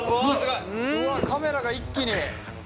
カメラが一気に！